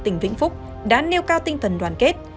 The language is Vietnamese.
tỉnh vĩnh phúc đã nêu cao tinh thần đoàn kết